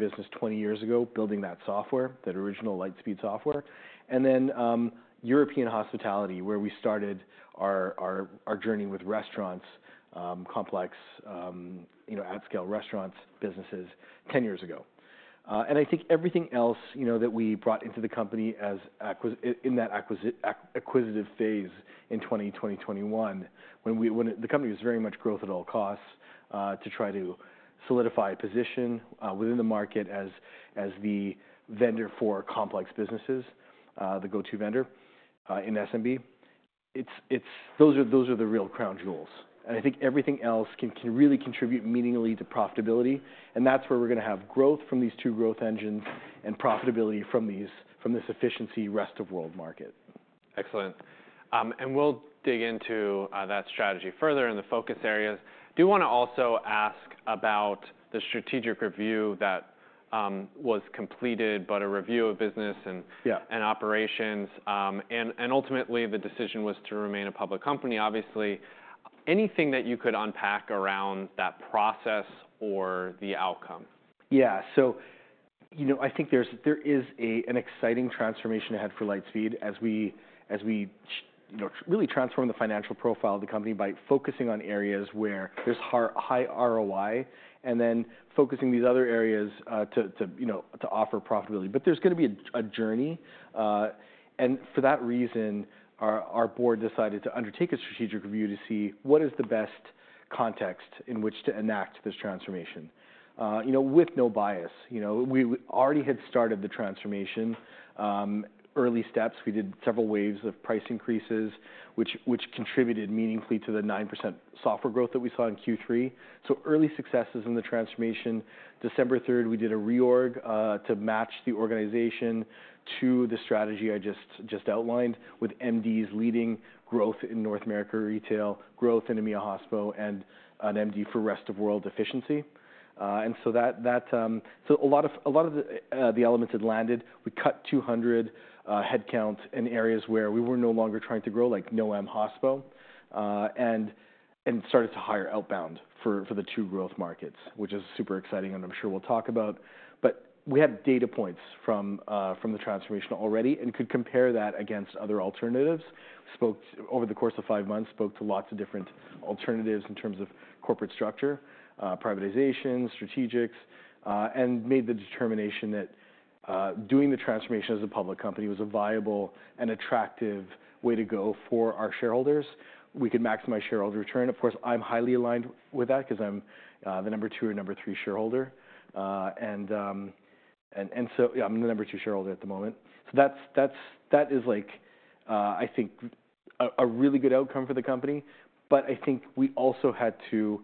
The business 20 years ago, building that software, that original Lightspeed software. European Hospitality, where we started our journey with restaurants, complex at-scale restaurants, businesses 10 years ago. I think everything else that we brought into the company in that acquisitive phase in 2020, 2021, when the company was very much growth at all costs to try to solidify position within the market as the vendor for complex businesses, the go-to vendor in SMB, those are the real crown jewels. I think everything else can really contribute meaningfully to profitability. That is where we're going to have growth from these two growth engines and profitability from this efficiency rest of world market. Excellent. We will dig into that strategy further and the focus areas. I do want to also ask about the strategic review that was completed, but a review of business and operations, and ultimately the decision was to remain a public company, obviously. Anything that you could unpack around that process or the outcome? Yeah. I think there is an exciting transformation ahead for Lightspeed as we really transform the financial profile of the company by focusing on areas where there's high ROI and then focusing these other areas to offer profitability. There is going to be a journey. For that reason, our board decided to undertake a strategic review to see what is the best context in which to enact this transformation with no bias. We already had started the transformation, early steps. We did several waves of price increases, which contributed meaningfully to the 9% software growth that we saw in Q3. Early successes in the transformation. December 3rd, we did a reorg to match the organization to the strategy I just outlined with MDs leading growth in North America retail, growth in EMEA hospitality, and an MD for rest of world efficiency. A lot of the elements had landed. We cut 200 headcount in areas where we were no longer trying to grow, like NOAM hospitality, and started to hire outbound for the two growth markets, which is super exciting and I'm sure we'll talk about. We had data points from the transformation already and could compare that against other alternatives. Over the course of five months, spoke to lots of different alternatives in terms of corporate structure, privatization, strategics, and made the determination that doing the transformation as a public company was a viable and attractive way to go for our shareholders. We could maximize shareholder return. Of course, I'm highly aligned with that because I'm the number two or number three shareholder. I'm the number two shareholder at the moment. That is, I think, a really good outcome for the company. I think we also had to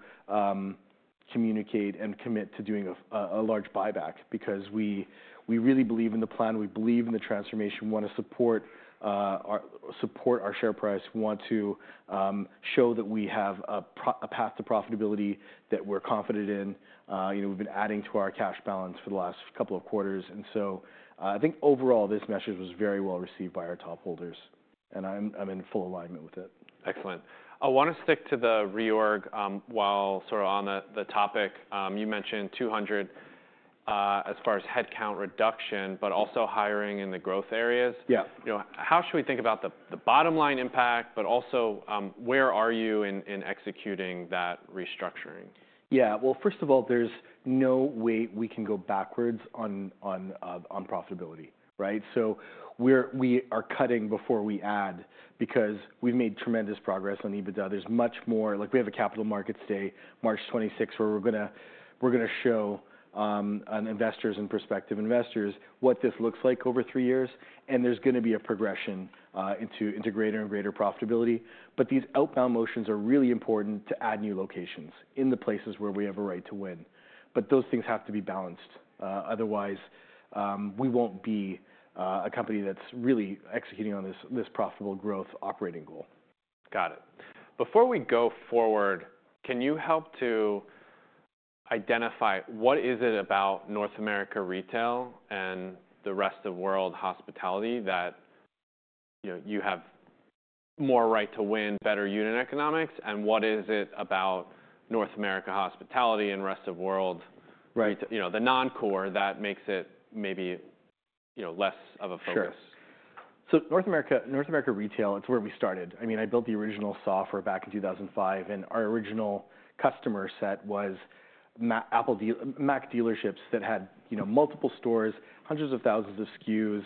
communicate and commit to doing a large buyback because we really believe in the plan. We believe in the transformation. We want to support our share price. We want to show that we have a path to profitability that we're confident in. We've been adding to our cash balance for the last couple of quarters. I think overall, this message was very well received by our top holders. I'm in full alignment with it. Excellent. I want to stick to the reorg while sort of on the topic. You mentioned 200 as far as headcount reduction, but also hiring in the growth areas. How should we think about the bottom line impact, but also where are you in executing that restructuring? Yeah. First of all, there's no way we can go backwards on profitability. We are cutting before we add because we've made tremendous progress on EBITDA. There's much more. We have a capital markets day March 26th where we're going to show investors and prospective investors what this looks like over three years. There's going to be a progression into greater and greater profitability. These outbound motions are really important to add new locations in the places where we have a right to win. Those things have to be balanced. Otherwise, we won't be a company that's really executing on this profitable growth operating goal. Got it. Before we go forward, can you help to identify what is it about North America retail and the rest of world hospitality that you have more right to win, better unit economics? What is it about North America hospitality and rest of world, the non-core that makes it maybe less of a focus? Sure. North America retail, it's where we started. I mean, I built the original software back in 2005. Our original customer set was Mac dealerships that had multiple stores, hundreds of thousands of SKUs,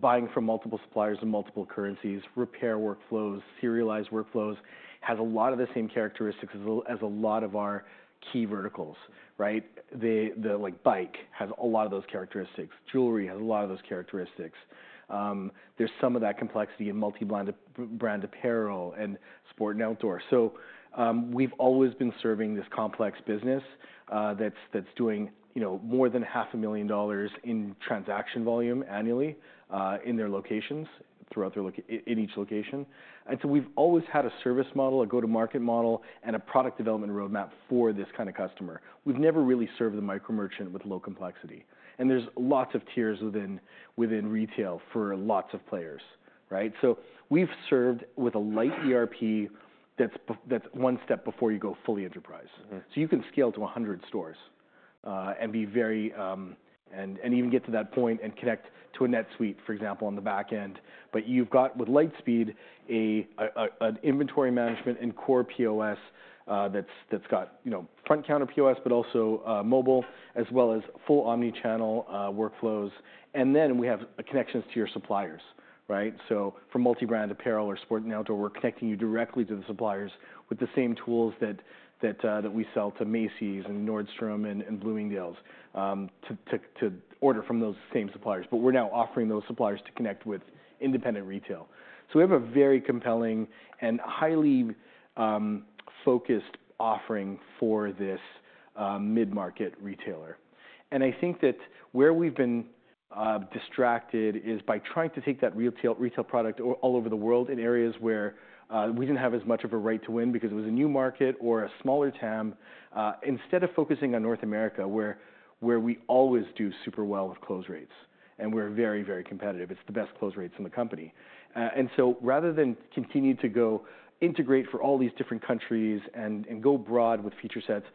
buying from multiple suppliers in multiple currencies, repair workflows, serialized workflows, has a lot of the same characteristics as a lot of our key verticals. The bike has a lot of those characteristics. Jewelry has a lot of those characteristics. There's some of that complexity in multi-brand apparel and sport and outdoor. We've always been serving this complex business that's doing more than $500,000 in transaction volume annually in their locations in each location. We've always had a service model, a go-to-market model, and a product development roadmap for this kind of customer. We've never really served the micro merchant with low complexity. There are lots of tiers within retail for lots of players. We have served with a light ERP that is one step before you go fully enterprise. You can scale to 100 stores and even get to that point and connect to a NetSuite, for example, on the back end. You have with Lightspeed an inventory management and core POS that has front counter POS, but also mobile, as well as full omnichannel workflows. We have connections to your suppliers. For multi-brand apparel or sport and outdoor, we are connecting you directly to the suppliers with the same tools that we sell to Macy's and Nordstrom and Bloomingdale's to order from those same suppliers. We are now offering those suppliers to connect with independent retail. We have a very compelling and highly focused offering for this mid-market retailer. I think that where we've been distracted is by trying to take that retail product all over the world in areas where we didn't have as much of a right to win because it was a new market or a smaller TAM. Instead of focusing on North America, where we always do super well with close rates and we're very, very competitive, it's the best close rates in the company. Rather than continue to go integrate for all these different countries and go broad with feature sets,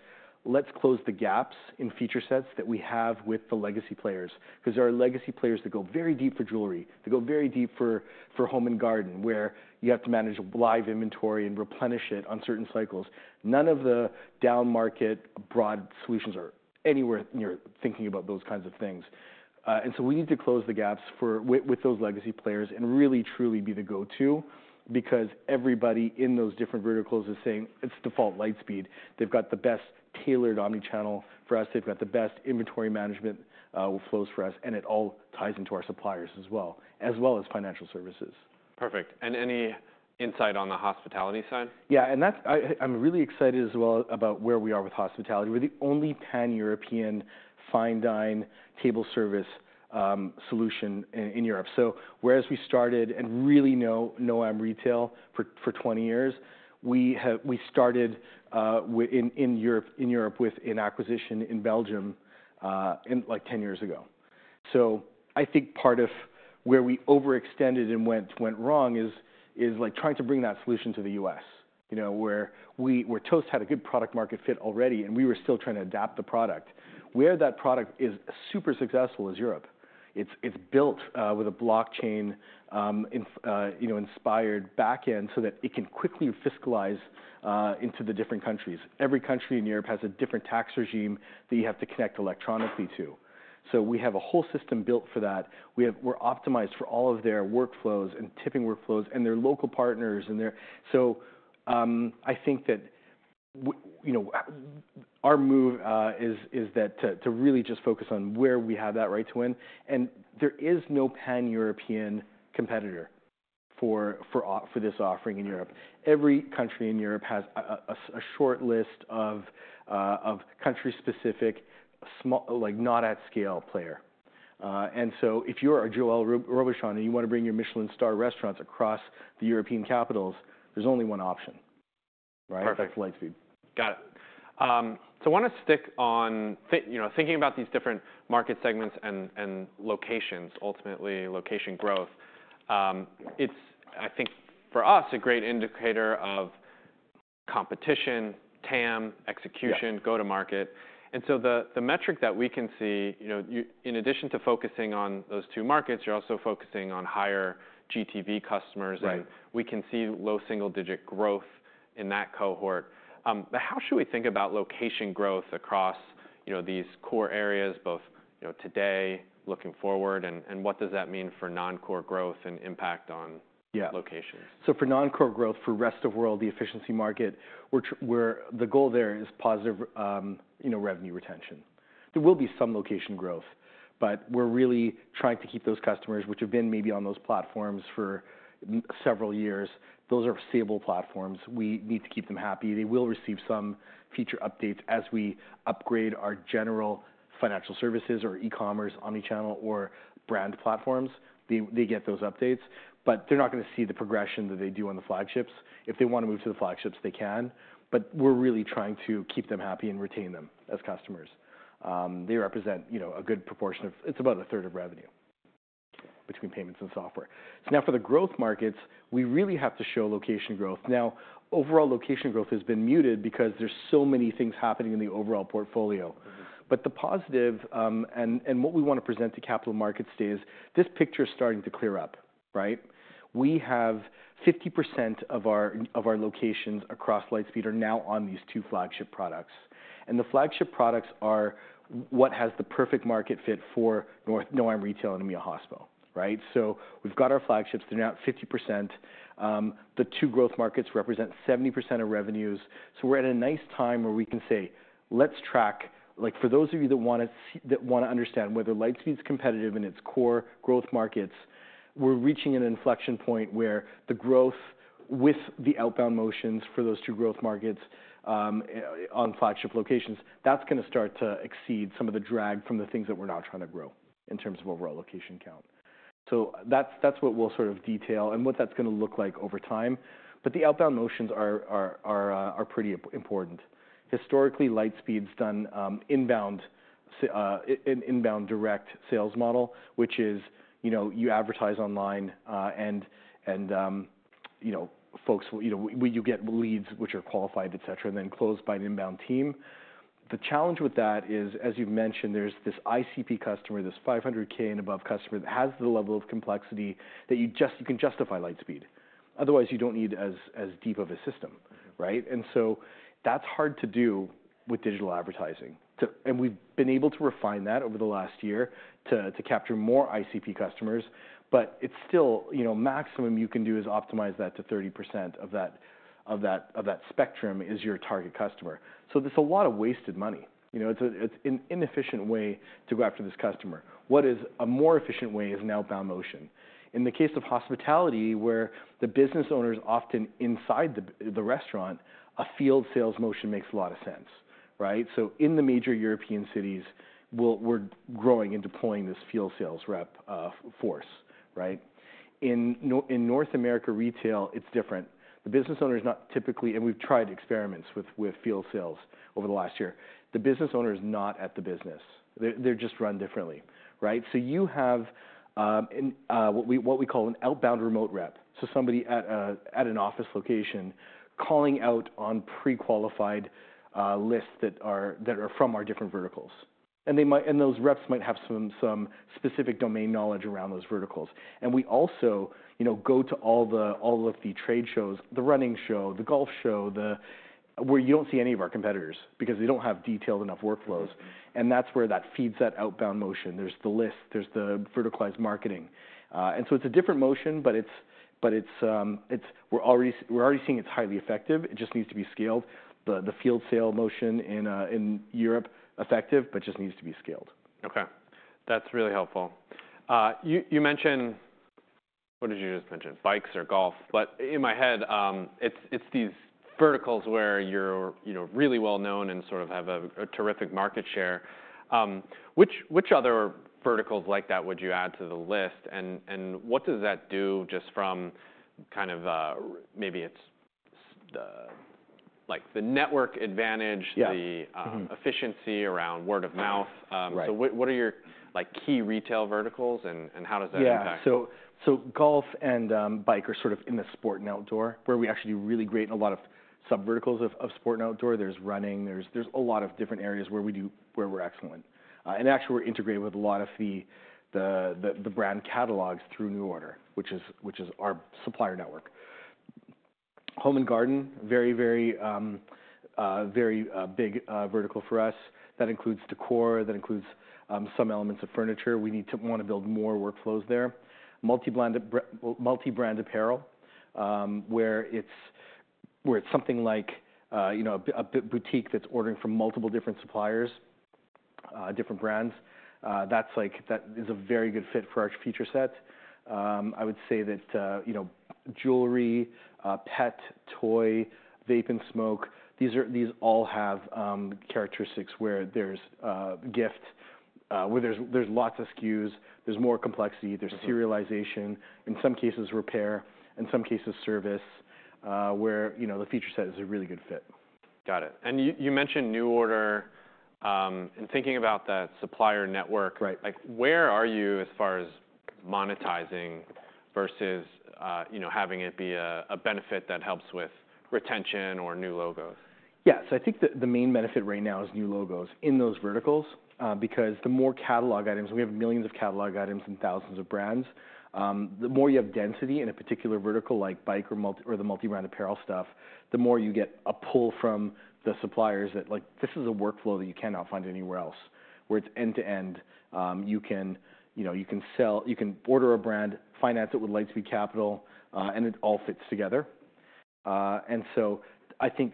let's close the gaps in feature sets that we have with the legacy players. There are legacy players that go very deep for jewelry, that go very deep for home and garden, where you have to manage live inventory and replenish it on certain cycles. None of the down market broad solutions are anywhere near thinking about those kinds of things. We need to close the gaps with those legacy players and really, truly be the go-to because everybody in those different verticals is saying, "It's default Lightspeed. They've got the best tailored omnichannel for us. They've got the best inventory management flows for us." It all ties into our suppliers as well, as well as financial services. Perfect. Any insight on the hospitality side? Yeah. I'm really excited as well about where we are with hospitality. We're the only pan-European fine-dine table service solution in Europe. Whereas we started and really NOAM retail for 20 years, we started in Europe with an acquisition in Belgium like 10 years ago. I think part of where we overextended and went wrong is trying to bring that solution to the U.S., where Toast had a good product market fit already and we were still trying to adapt the product. Where that product is super successful is Europe. It's built with a blockchain-inspired backend so that it can quickly fiscalize into the different countries. Every country in Europe has a different tax regime that you have to connect electronically to. We have a whole system built for that. We're optimized for all of their workflows and tipping workflows and their local partners. I think that our move is to really just focus on where we have that right to win. There is no pan-European competitor for this offering in Europe. Every country in Europe has a short list of country-specific, not at scale player. If you're a Joël Robuchon and you want to bring your Michelin star restaurants across the European capitals, there's only one option: Lightspeed. Got it. I want to stick on thinking about these different market segments and locations, ultimately location growth. It's, I think, for us, a great indicator of competition, TAM, execution, go-to-market. The metric that we can see, in addition to focusing on those two markets, you're also focusing on higher GTV customers. We can see low single-digit growth in that cohort. How should we think about location growth across these core areas, both today, looking forward? What does that mean for non-core growth and impact on locations? For non-core growth, for rest of world, the efficiency market, the goal there is positive revenue retention. There will be some location growth, but we're really trying to keep those customers, which have been maybe on those platforms for several years. Those are stable platforms. We need to keep them happy. They will receive some feature updates as we upgrade our general financial services or e-commerce omnichannel or brand platforms. They get those updates, but they're not going to see the progression that they do on the flagships. If they want to move to the flagships, they can. We're really trying to keep them happy and retain them as customers. They represent a good proportion of, it's about a third of revenue between payments and software. For the growth markets, we really have to show location growth. Now, overall location growth has been muted because there's so many things happening in the overall portfolio. The positive and what we want to present to capital markets today is this picture is starting to clear up. We have 50% of our locations across Lightspeed are now on these two flagship products. The flagship products are what has the perfect market fit for NOAM retail and EMEA hospitality. We've got our flagships. They're now at 50%. The two growth markets represent 70% of revenues. We're at a nice time where we can say, "Let's track." For those of you that want to understand whether Lightspeed's competitive in its core growth markets, we're reaching an inflection point where the growth with the outbound motions for those two growth markets on flagship locations, that's going to start to exceed some of the drag from the things that we're now trying to grow in terms of overall location count. That's what we'll sort of detail and what that's going to look like over time. The outbound motions are pretty important. Historically, Lightspeed's done an inbound direct sales model, which is you advertise online and you get leads, which are qualified, etc., and then closed by an inbound team. The challenge with that is, as you've mentioned, there's this ICP customer, this $500,000 and above customer that has the level of complexity that you can justify Lightspeed. Otherwise, you don't need as deep of a system. That's hard to do with digital advertising. We've been able to refine that over the last year to capture more ICP customers. Still, maximum you can do is optimize that to 30% of that spectrum is your target customer. There's a lot of wasted money. It's an inefficient way to go after this customer. What is a more efficient way is an outbound motion. In the case of hospitality, where the business owner's often inside the restaurant, a field sales motion makes a lot of sense. In the major European cities, we're growing and deploying this field sales rep force. In North America retail, it's different. The business owner's not typically, and we've tried experiments with field sales over the last year. The business owner's not at the business. They're just run differently. You have what we call an outbound remote rep, somebody at an office location calling out on pre-qualified lists that are from our different verticals. Those reps might have some specific domain knowledge around those verticals. We also go to all of the trade shows, the running show, the golf show, where you don't see any of our competitors because they don't have detailed enough workflows. That's where that feeds that outbound motion. There's the list. There's the verticalized marketing. It's a different motion, but we're already seeing it's highly effective. It just needs to be scaled. The field sale motion in Europe is effective, but just needs to be scaled. Okay. That's really helpful. You mentioned, what did you just mention? Bikes or golf. In my head, it's these verticals where you're really well-known and sort of have a terrific market share. Which other verticals like that would you add to the list? What does that do just from kind of maybe it's the network advantage, the efficiency around word of mouth? What are your key retail verticals and how does that impact? Yeah. Golf and bike are sort of in the sport and outdoor, where we actually do really great in a lot of sub-verticals of sport and outdoor. There's running. There's a lot of different areas where we're excellent. Actually, we're integrated with a lot of the brand catalogs through NuORDER, which is our supplier network. Home and garden, very, very big vertical for us. That includes decor. That includes some elements of furniture. We want to build more workflows there. Multi-brand apparel, where it's something like a boutique that's ordering from multiple different suppliers, different brands. That is a very good fit for our feature set. I would say that jewelry, pet, toy, vape and smoke, these all have characteristics where there's gift, where there's lots of SKUs, there's more complexity, there's serialization, in some cases repair, in some cases service, where the feature set is a really good fit. Got it. You mentioned NuORDER. Thinking about that supplier network, where are you as far as monetizing versus having it be a benefit that helps with retention or new logos? Yeah. I think the main benefit right now is new logos in those verticals because the more catalog items, we have millions of catalog items and thousands of brands, the more you have density in a particular vertical like bike or the multi-brand apparel stuff, the more you get a pull from the suppliers that this is a workflow that you cannot find anywhere else, where it is end-to-end. You can order a brand, finance it with Lightspeed Capital, and it all fits together. I think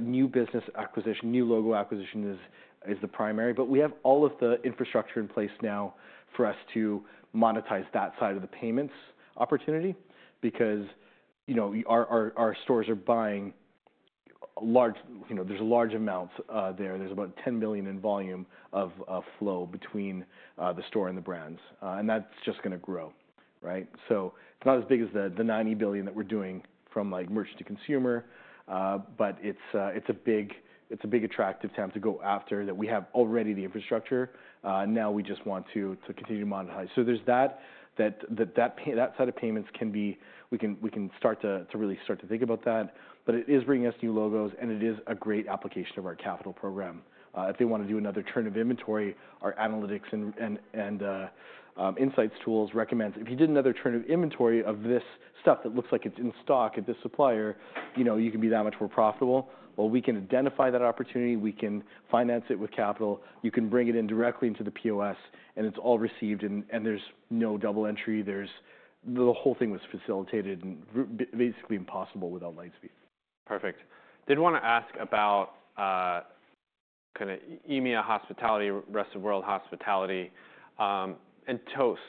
new business acquisition, new logo acquisition is the primary. We have all of the infrastructure in place now for us to monetize that side of the payments opportunity because our stores are buying large, there is a large amount there. There is about $10 million in volume of flow between the store and the brands. That is just going to grow. It is not as big as the $90 billion that we are doing from merchant to consumer, but it is a big attractive time to go after that. We have already the infrastructure. Now we just want to continue to monetize. There is that side of payments we can start to really start to think about. It is bringing us new logos and it is a great application of our capital program. If they want to do another turn of inventory, our analytics and insights tools recommend, if you did another turn of inventory of this stuff that looks like it is in stock at this supplier, you can be that much more profitable. We can identify that opportunity. We can finance it with capital. You can bring it in directly into the POS and it is all received and there is no double entry. The whole thing was facilitated and basically impossible without Lightspeed. Perfect. Did want to ask about kind of EMEA hospitality, rest of world hospitality, and Toast.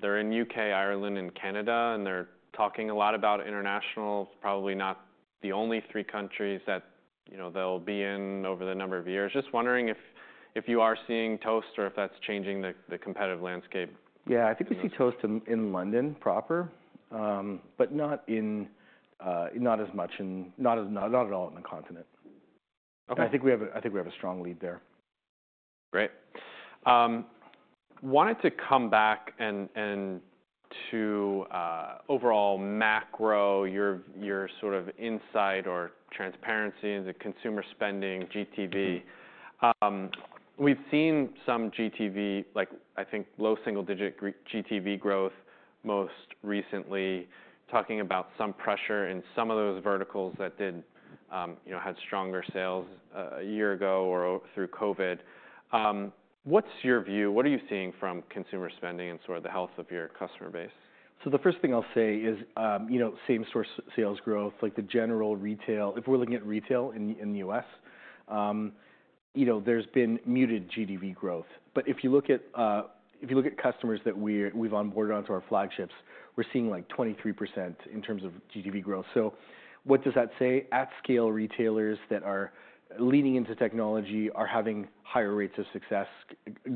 They're in U.K., Ireland, and Canada, and they're talking a lot about international. It's probably not the only three countries that they'll be in over the number of years. Just wondering if you are seeing Toast or if that's changing the competitive landscape. Yeah. I think we see Toast in London proper, but not as much, not at all in the continent. I think we have a strong lead there. Great. Wanted to come back and to overall macro, your sort of insight or transparency into consumer spending, GTV. We've seen some GTV, I think low single-digit GTV growth most recently, talking about some pressure in some of those verticals that had stronger sales a year ago or through COVID. What's your view? What are you seeing from consumer spending and sort of the health of your customer base? The first thing I'll say is same source sales growth, like the general retail. If we're looking at retail in the U.S., there's been muted GTV growth. If you look at customers that we've onboarded onto our flagships, we're seeing 23% in terms of GTV growth. What does that say? At scale, retailers that are leaning into technology are having higher rates of success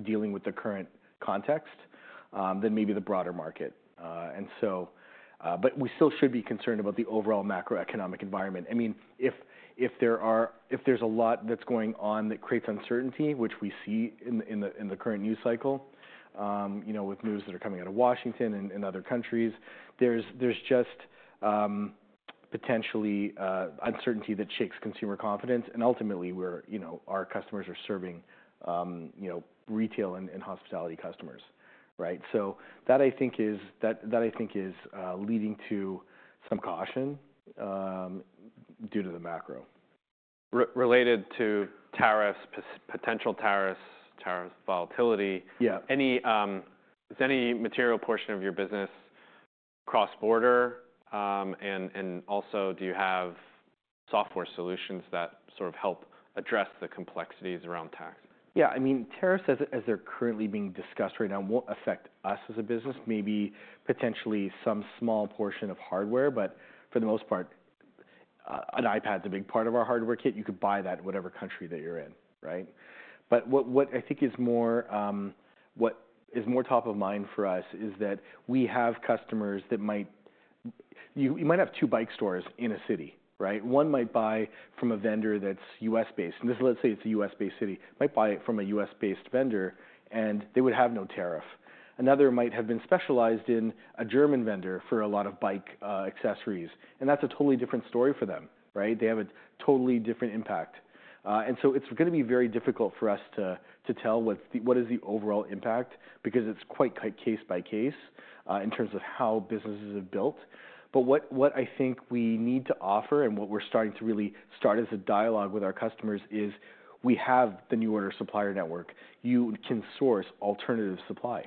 dealing with the current context than maybe the broader market. We still should be concerned about the overall macroeconomic environment. I mean, there's a lot that's going on that creates uncertainty, which we see in the current news cycle with news that are coming out of Washington and other countries. There's just potentially uncertainty that shakes consumer confidence. Ultimately, our customers are serving retail and hospitality customers. I think that is leading to some caution due to the macro. Related to tariffs, potential tariffs, tariff volatility, is any material portion of your business cross-border? Also, do you have software solutions that sort of help address the complexities around tax? Yeah. I mean, tariffs, as they're currently being discussed right now, won't affect us as a business. Maybe potentially some small portion of hardware. For the most part, an iPad's a big part of our hardware kit. You could buy that in whatever country that you're in. What I think is more top of mind for us is that we have customers that might, you might have two bike stores in a city. One might buy from a vendor that's U.S.-based. Let's say it's a U.S.-based city. Might buy it from a U.S.-based vendor and they would have no tariff. Another might have been specialized in a German vendor for a lot of bike accessories. That's a totally different story for them. They have a totally different impact. It's going to be very difficult for us to tell what is the overall impact because it's quite case by case in terms of how businesses are built. What I think we need to offer and what we're starting to really start as a dialogue with our customers is we have the NuORDER supplier network. You can source alternative supply.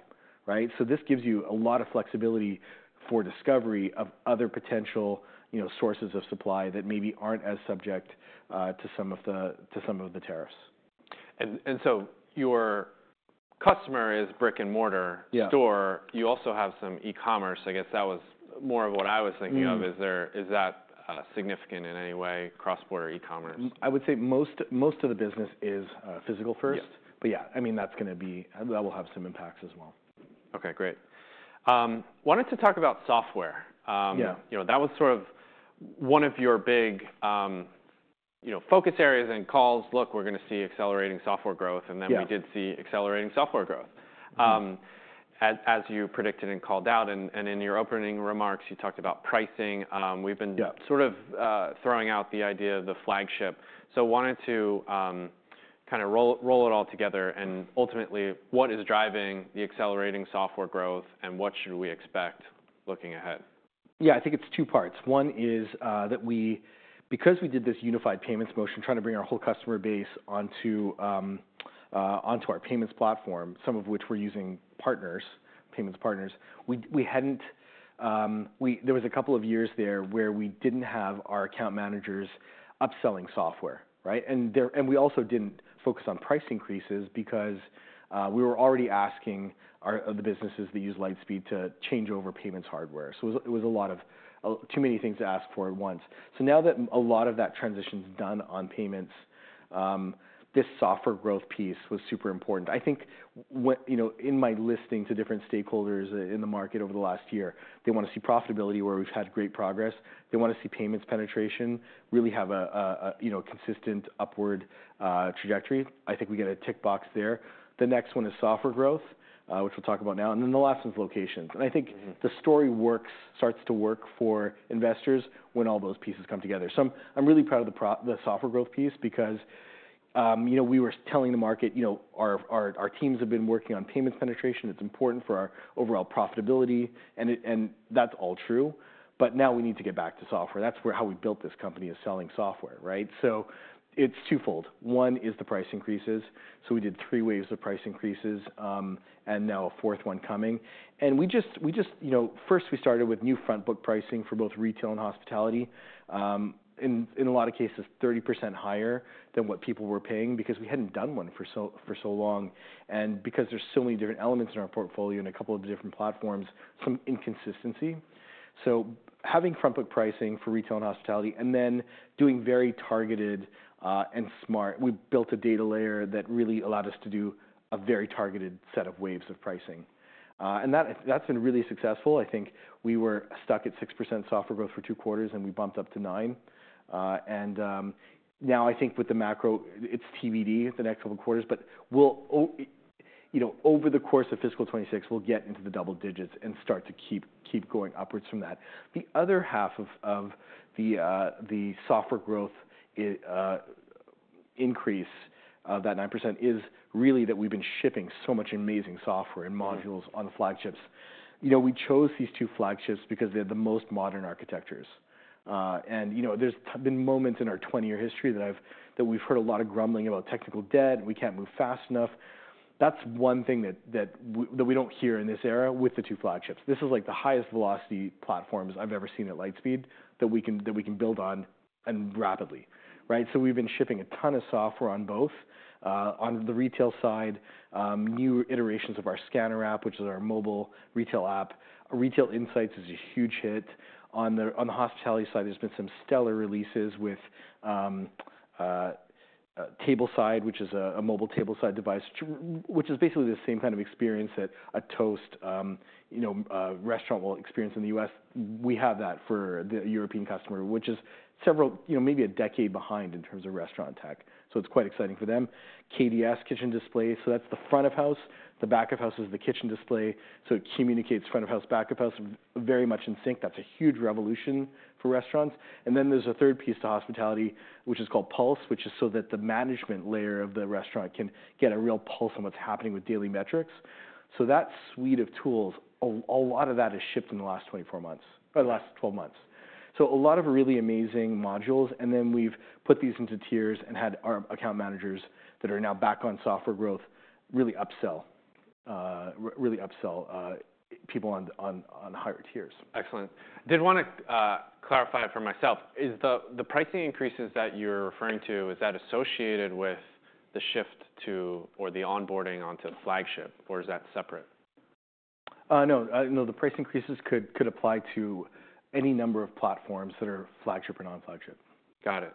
This gives you a lot of flexibility for discovery of other potential sources of supply that maybe aren't as subject to some of the tariffs. Your customer is brick and mortar store. You also have some e-commerce. I guess that was more of what I was thinking of. Is that significant in any way, cross-border e-commerce? I would say most of the business is physical first. Yeah, I mean, that's going to be, that will have some impacts as well. Okay. Great. Wanted to talk about software. That was sort of one of your big focus areas and calls, "Look, we're going to see accelerating software growth." And then we did see accelerating software growth, as you predicted and called out. In your opening remarks, you talked about pricing. We've been sort of throwing out the idea of the flagship. Wanted to kind of roll it all together. Ultimately, what is driving the accelerating software growth and what should we expect looking ahead? Yeah. I think it's two parts. One is that we, because we did this unified payments motion trying to bring our whole customer base onto our payments platform, some of which were using partners, payments partners, there was a couple of years there where we didn't have our account managers upselling software. We also didn't focus on price increases because we were already asking the businesses that use Lightspeed to change over payments hardware. It was a lot of too many things to ask for at once. Now that a lot of that transition's done on payments, this software growth piece was super important. I think in my listening to different stakeholders in the market over the last year, they want to see profitability where we've had great progress. They want to see payments penetration really have a consistent upward trajectory. I think we get a tick box there. The next one is software growth, which we'll talk about now. The last one's locations. I think the story starts to work for investors when all those pieces come together. I'm really proud of the software growth piece because we were telling the market, our teams have been working on payments penetration. It's important for our overall profitability. That's all true. Now we need to get back to software. That's how we built this company is selling software. It's twofold. One is the price increases. We did three waves of price increases and now a fourth one coming. First, we started with new front book pricing for both retail and hospitality. In a lot of cases, 30% higher than what people were paying because we hadn't done one for so long. Because there are so many different elements in our portfolio and a couple of different platforms, some inconsistency. Having front book pricing for retail and hospitality and then doing very targeted and smart, we built a data layer that really allowed us to do a very targeted set of waves of pricing. That has been really successful. I think we were stuck at 6% software growth for two quarters and we bumped up to 9%. Now I think with the macro, it is TBD the next couple of quarters. Over the course of fiscal 2026, we will get into the double digits and start to keep going upwards from that. The other half of the software growth increase, that 9%, is really that we have been shipping so much amazing software and modules on the flagships. We chose these two flagships because they have the most modern architectures. There have been moments in our 20-year history that we've heard a lot of grumbling about technical debt and we can't move fast enough. That is one thing that we don't hear in this era with the two flagships. This is like the highest velocity platforms I've ever seen at Lightspeed that we can build on and rapidly. We have been shipping a ton of software on both. On the retail side, new iterations of our scanner app, which is our mobile retail app. Retail Insights is a huge hit. On the hospitality side, there have been some stellar releases with Tableside, which is a mobile Tableside device, which is basically the same kind of experience that a Toast restaurant will experience in the US. We have that for the European customer, which is maybe a decade behind in terms of restaurant tech. It is quite exciting for them. KDS Kitchen Display. That's the front of house. The back of house is the kitchen display. It communicates front of house, back of house very much in sync. That's a huge revolution for restaurants. There is a third piece to hospitality, which is called Pulse, which is so that the management layer of the restaurant can get a real pulse on what's happening with daily metrics. That suite of tools, a lot of that is shipped in the last 12 months. A lot of really amazing modules. We've put these into tiers and had our account managers that are now back on software growth really upsell people on higher tiers. Excellent. Did want to clarify for myself, is the pricing increases that you're referring to, is that associated with the shift to or the onboarding onto flagship, or is that separate? No. The price increases could apply to any number of platforms that are flagship or non-flagship. Got it.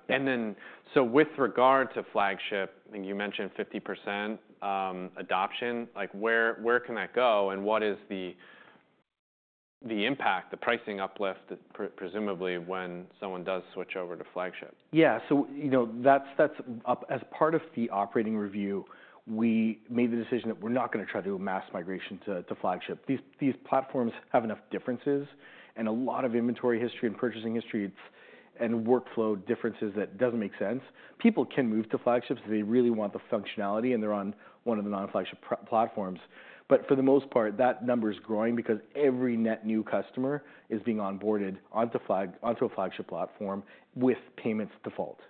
With regard to flagship, I think you mentioned 50% adoption. Where can that go and what is the impact, the pricing uplift, presumably, when someone does switch over to flagship? Yeah. As part of the operating review, we made the decision that we're not going to try to do a mass migration to flagship. These platforms have enough differences and a lot of inventory history and purchasing history and workflow differences that it doesn't make sense. People can move to flagships if they really want the functionality and they're on one of the non-flagship platforms. For the most part, that number is growing because every net new customer is being onboarded onto a flagship platform with payments default.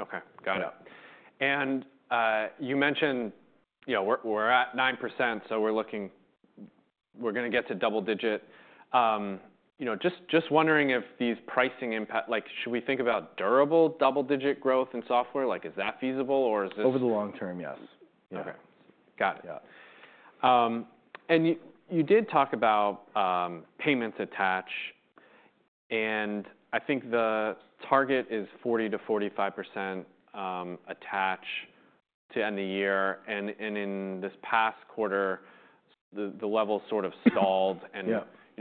Okay. Got it. You mentioned we're at 9%, so we're going to get to double digit. Just wondering if these pricing impacts, should we think about durable double digit growth in software? Is that feasible or is this? Over the long term, yes. Okay. Got it. You did talk about payments attach. I think the target is 40%-45% attach to end the year. In this past quarter, the level sort of stalled.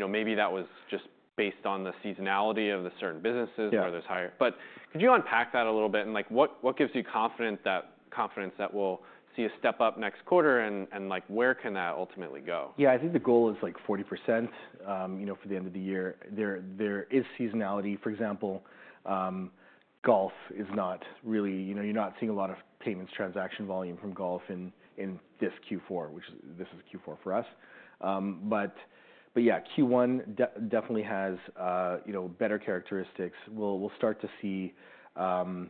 Maybe that was just based on the seasonality of certain businesses where there's higher. Could you unpack that a little bit? What gives you confidence that we'll see a step up next quarter and where can that ultimately go? Yeah. I think the goal is like 40% for the end of the year. There is seasonality. For example, golf is not really, you're not seeing a lot of payments transaction volume from golf in this Q4, which this is Q4 for us. Yeah, Q1 definitely has better characteristics. We'll start to see, we'll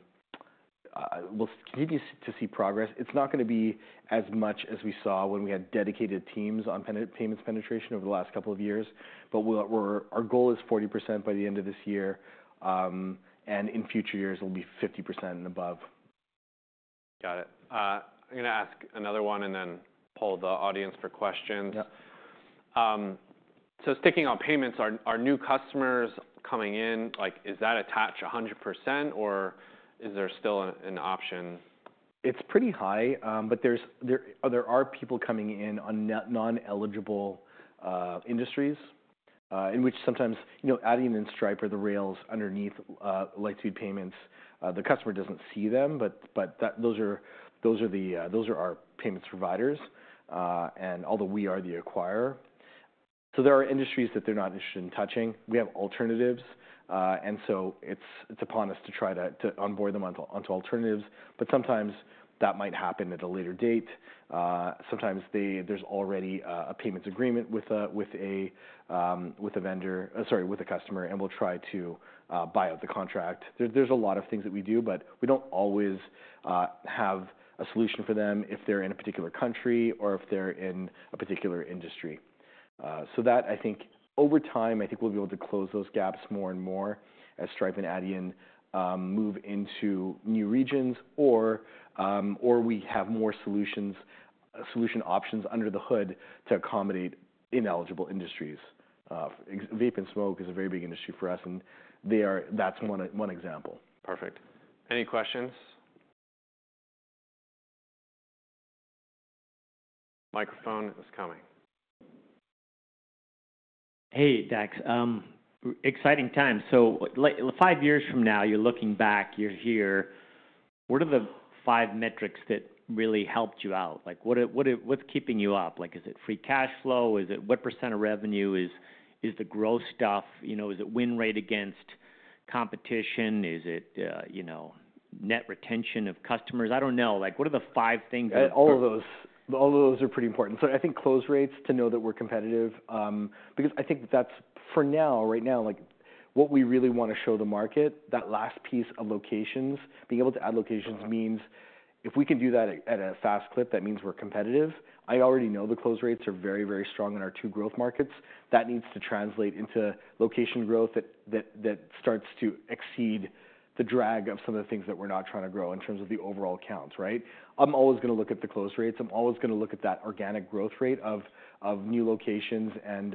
continue to see progress. It's not going to be as much as we saw when we had dedicated teams on payments penetration over the last couple of years. Our goal is 40% by the end of this year. In future years, it'll be 50% and above. Got it. I'm going to ask another one and then poll the audience for questions. Sticking on payments, are new customers coming in? Is that attached 100% or is there still an option? It's pretty high. There are people coming in on non-eligible industries in which sometimes adding in Stripe or the rails underneath Lightspeed Payments, the customer doesn't see them. Those are our payments providers and we are the acquirer. There are industries that they're not interested in touching. We have alternatives. It is upon us to try to onboard them onto alternatives. Sometimes that might happen at a later date. Sometimes there's already a payments agreement with a customer, and we'll try to buy out the contract. There are a lot of things that we do, but we don't always have a solution for them if they're in a particular country or if they're in a particular industry. I think over time, I think we'll be able to close those gaps more and more as Stripe and Adyen move into new regions or we have more solution options under the hood to accommodate ineligible industries. Vape and smoke is a very big industry for us. And that's one example. Perfect. Any questions? Microphone is coming. Hey, Dax. Exciting times. Five years from now, you're looking back, you're here. What are the five metrics that really helped you out? What's keeping you up? Is it free cash flow? What percentage of revenue is the growth stuff? Is it win rate against competition? Is it net retention of customers? I don't know. What are the five things? All of those are pretty important. I think close rates to know that we're competitive because I think that's for now, right now, what we really want to show the market, that last piece of locations, being able to add locations means if we can do that at a fast clip, that means we're competitive. I already know the close rates are very, very strong in our two growth markets. That needs to translate into location growth that starts to exceed the drag of some of the things that we're not trying to grow in terms of the overall counts. I'm always going to look at the close rates. I'm always going to look at that organic growth rate of new locations and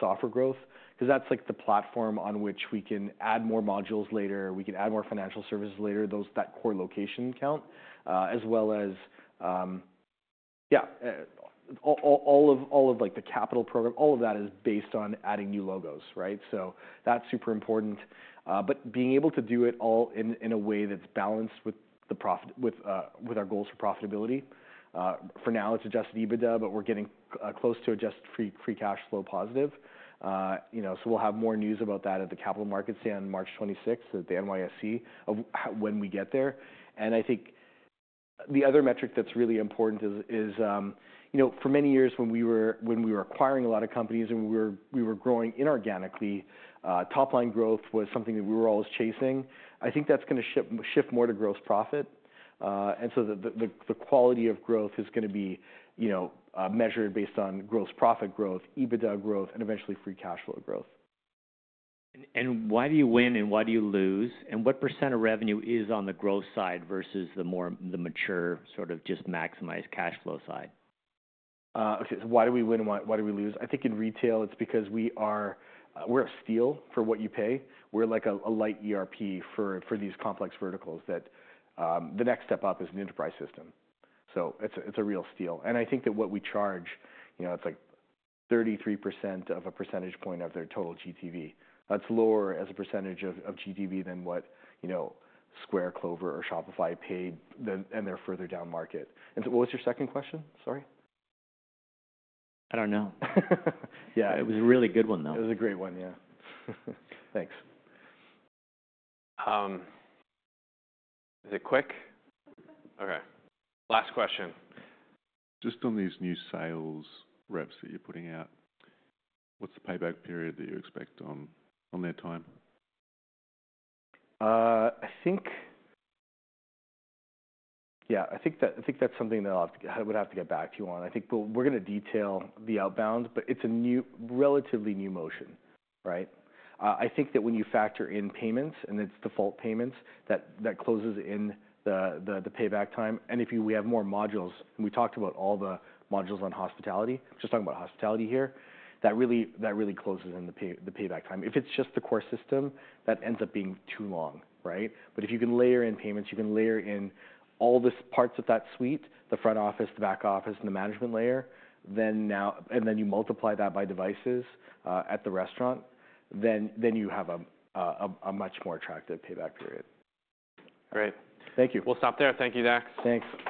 software growth because that's like the platform on which we can add more modules later. We can add more financial services later, that core location count, as well as, yeah, all of the capital program. All of that is based on adding new logos. That's super important. Being able to do it all in a way that's balanced with our goals for profitability. For now, it's adjusted EBITDA, but we're getting close to adjusted free cash flow positive. We'll have more news about that at the Capital Markets stand March 26th at the NYSE of when we get there. I think the other metric that's really important is for many years when we were acquiring a lot of companies and we were growing inorganically, top line growth was something that we were always chasing. I think that's going to shift more to gross profit. The quality of growth is going to be measured based on gross profit growth, EBITDA growth, and eventually free cash flow growth. Why do you win and why do you lose? What percentage of revenue is on the growth side versus the more mature sort of just maximized cash flow side? Okay. So why do we win and why do we lose? I think in retail, it's because we're a steal for what you pay. We're like a light ERP for these complex verticals that the next step up is an enterprise system. It's a real steal. I think that what we charge, it's like 33% of a percentage point of their total GTV. That's lower as a percentage of GTV than what Square, Clover, or Shopify paid and they're further down market. What was your second question? Sorry. I don't know. Yeah. It was a really good one though. It was a great one. Yeah. Thanks. Is it quick? Okay. Last question. Just on these new sales reps that you're putting out, what's the payback period that you expect on their time? I think, yeah, I think that's something that I would have to get back to you on. I think we're going to detail the outbound, but it's a relatively new motion. I think that when you factor in payments and it's default payments, that closes in the payback time. And if we have more modules, we talked about all the modules on hospitality, just talking about hospitality here, that really closes in the payback time. If it's just the core system, that ends up being too long. But if you can layer in payments, you can layer in all this parts of that suite, the front office, the back office, and the management layer, and then you multiply that by devices at the restaurant, then you have a much more attractive payback period. Great. Thank you. We'll stop there. Thank you, Dax. Thanks.